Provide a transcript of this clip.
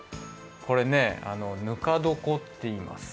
これねぬかどこっていいます。